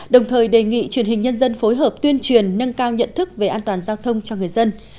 đồng thời đề nghị truyền hình nhân dân phối hợp tuyên truyền nâng cao nhận thức về an toàn giao thông cho người dân